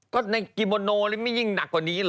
ก็ในกิโมโนนี่ไม่ยิ่งหนักกว่านี้เหรอ